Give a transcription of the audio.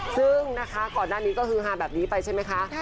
ซึ่งนะคะก่อนหน้านี้ก็คือฮาแบบนี้ไปใช่ไหมคะ